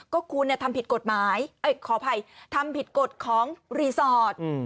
ก็คุณทำผิดกฎของรีสอร์ท